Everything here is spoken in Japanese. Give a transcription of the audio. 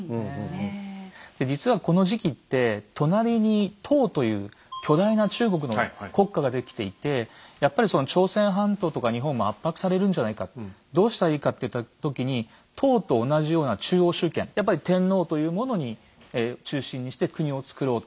で実はこの時期って隣に唐という巨大な中国の国家ができていてやっぱり朝鮮半島とか日本も圧迫されるんじゃないかどうしたらいいかといった時に唐と同じような中央集権やっぱり天皇というものに中心にして国をつくろう。